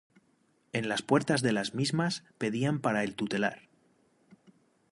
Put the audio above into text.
En las puertas de las mismas pedían para el tutelar.